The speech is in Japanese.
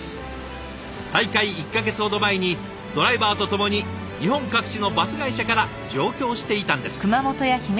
大会１か月ほど前にドライバーと共に日本各地のバス会社から上京していたんです。